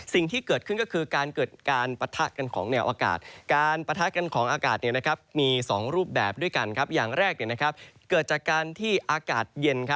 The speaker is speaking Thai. สิ่งที่เกิดขึ้นก็คือการเกิดการปะทะกันของแนวอากาศ